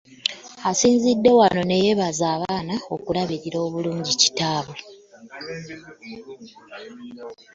Asinzidde wano ne yeebaza abaana olw'okulabirira obulungi kitaabwe.